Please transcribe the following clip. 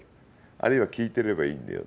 あるいは聞いてればいいんだよ。